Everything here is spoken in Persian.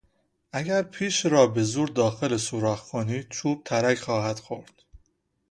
اگر پیچ را به زور داخل سوراخ کنی چوب ترک خواهد خورد.